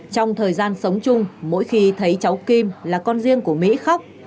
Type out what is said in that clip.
trong thời gian sống chung mỗi khi thấy cháu kim là con riêng của mỹ khóc